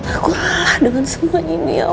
aku lelah dengan semua ini ya allah